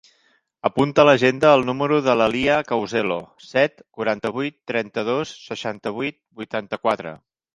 Apunta a l'agenda el número de la Lia Couselo: set, quaranta-vuit, trenta-dos, seixanta-vuit, vuitanta-quatre.